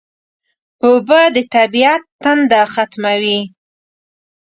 اوبه د طبیعت تنده ختموي